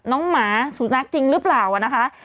น้องหมาสูนัขจริงรึเปล่าค่ะ